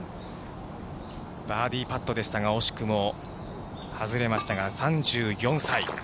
バーディーパットでしたが、惜しくも外れましたが、３４歳。